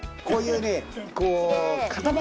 こういうね塊。